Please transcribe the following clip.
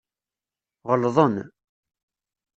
Ɣelḍen.